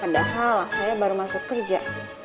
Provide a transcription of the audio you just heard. padahal saya baru masuk kerja